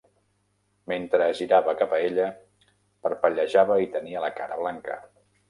Mentre es girava cap a ella, parpellejava i tenia la cara blanca.